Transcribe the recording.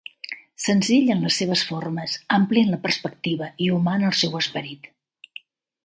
Senzill en les seves formes, ampli en la perspectiva i humà en el seu esperit.